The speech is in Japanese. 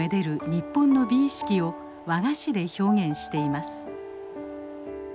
日本の美意識を和菓子で表現しています。